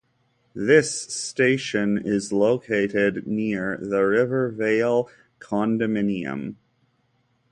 This station is located near The Rivervale condominium.